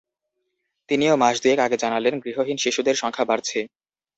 তিনিও মাস দুয়েক আগে জানালেন, গৃহহীন শিশুদের সংখ্যা বাড়ছে।